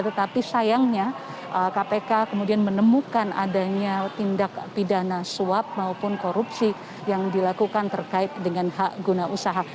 tetapi sayangnya kpk kemudian menemukan adanya tindak pidana suap maupun korupsi yang dilakukan terkait dengan hak guna usaha